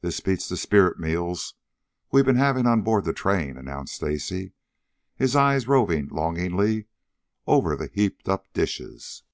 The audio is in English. "This beats the spirit meals we've been having on board the train," announced Stacy, his eyes roving longingly over the heaped up dishes.